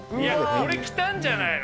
これきたんじゃないの？